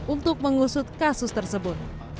untuk mengusut kasus tersebut